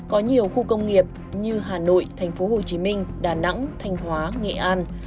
có nhiều khu công nghiệp như hà nội thành phố hồ chí minh đà nẵng thanh hóa nghệ an